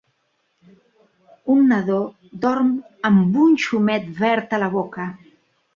Un nadó dorm amb un xumet verd a la boca.